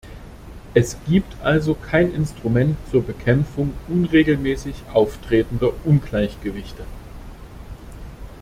Es gibt also kein Instrument zur Bekämpfung unregelmäßig auftretender Ungleichgewichte.